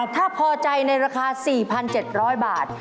ถ้าพอใจในราคา๔๗๐๐บาท